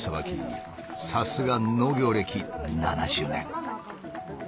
さすが農業歴７０年。